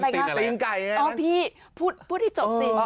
ตีนอะไรนะตีนไก่อ๋อพี่พูดพูดที่จบสิ